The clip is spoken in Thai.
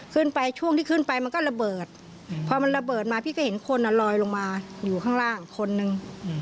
ขึ้นไปช่วงที่ขึ้นไปมันก็ระเบิดพอมันระเบิดมาพี่ก็เห็นคนลอยลงมาอยู่ข้างล่างคนนึง